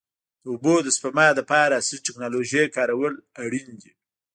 د اوبو د سپما لپاره عصري ټکنالوژي کارول اړین دي.